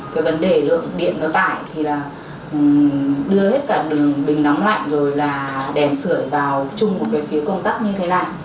cái vấn đề lượng điện nó tải thì là đưa hết cả đường bình nóng lạnh rồi là đèn sửa vào chung một cái phía công tắc như thế này